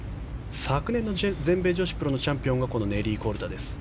昨年の全米女子プロのチャンピオンはネリー・コルダです。